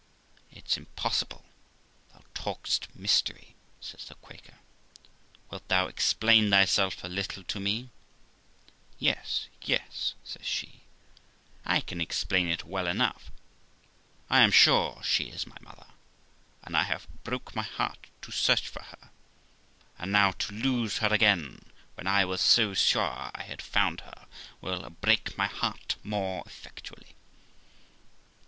' It's impossible, thou talk'st mystery I ' says the Quaker ;' wilt thou explain thyself a little to me ?'' Yes, yes ', says she, ' I can explain it well enough. I am sure she is my mother, and I have broke my heart to THE LIFE OF ROXANA 375 search for her; and now to lose her again, when I was so sure I had found her, will break my heart more effectually.'